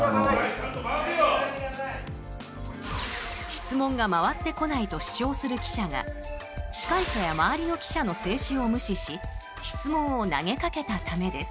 質問が回ってこないと主張する記者が司会者や周りの記者の制止を無視し質問を投げかけたためです。